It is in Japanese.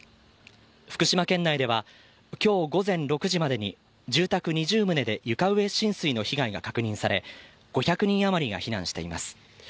福島県内では今日午前６時までに住宅２０棟で床上浸水の被害が確認され５００人あまりが避難しています。